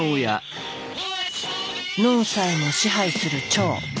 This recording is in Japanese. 脳さえも支配する腸。